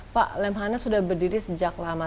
pak lemhanas sudah berdiri sejak lama